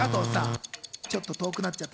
ちょっと遠くなっちゃった。